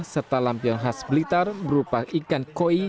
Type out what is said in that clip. serta lampion khas blitar berupa ikan koi